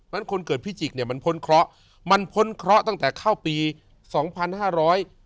เพราะฉะนั้นคนเกิดพิจิกเนี่ยมันพ้นเคราะห์มันพ้นเคราะห์ตั้งแต่เข้าปีสองพันห้าร้อย